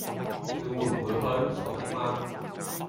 你會唔會去？傻的嗎